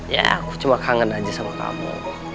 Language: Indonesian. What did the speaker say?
ya aku cuma kangen aja sama kamu